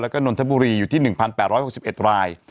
แล้วก็นนทบุรีอยู่ที่๑๘๖๑ราย